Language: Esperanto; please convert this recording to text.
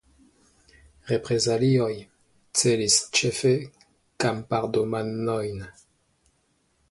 Reprezalioj celis ĉefe kampardomanojn.